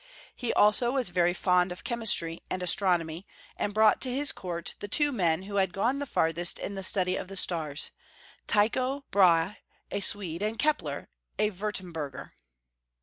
He also was very fond of chemistry and astronomy, 313 814 Young FolW History of Q ermany. and brought to his court the two men who had gone the farthest in the study of the stars, Tyclio Brahe, a Swede, and Kepler, a Wurtemburgher.